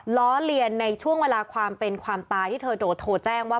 ล้อเลียนในช่วงเวลาความเป็นความตายที่เธอโทรแจ้งว่า